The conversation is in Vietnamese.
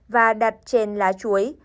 và đặt trên lá chuối